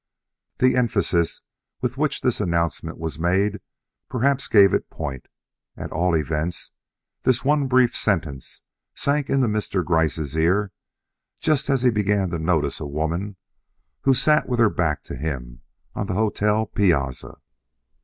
The emphasis with which this announcement was made perhaps gave it point; at all events this one brief sentence sank into Mr. Gryce's ear just as he began to notice a woman who sat with her back to him on the hotel piazza.